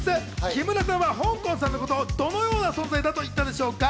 木村さんはほんこんさんのことをどのような存在だと言ったでしょうか？